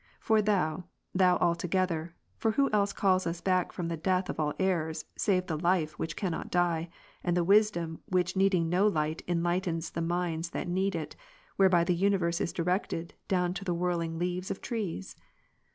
For Thou, Thou altogether, (for who else calls us back from the death of all errors, save the Life which cannot die, and the Wisdom which needing no light enlightens the minds that need it, whereby the universe is directed, down to the whirling leaves of trees?)